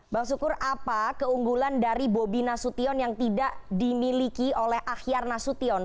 bang sukur apa keunggulan dari bobi nasution yang tidak dimiliki oleh ahyar nasution